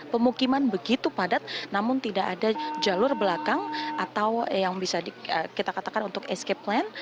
pemukiman begitu padat namun tidak ada jalur belakang atau yang bisa kita katakan untuk escape plan